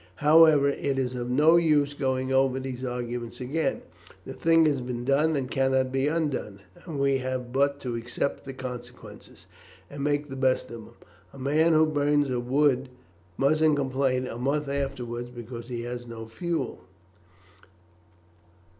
However, it is of no use going over these arguments again. The thing has been done and cannot be undone, and we have but to accept the consequences, and make the best of them. A man who burns a wood mustn't complain a month afterwards because he has no fuel.